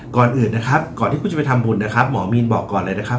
ก่อนอื่นนะครับก่อนที่คุณจะไปทำบุญนะครับหมอมีนบอกก่อนเลยนะครับ